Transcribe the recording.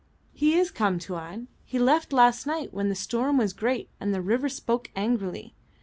"He is come, Tuan. He left last night when the storm was great and the river spoke angrily.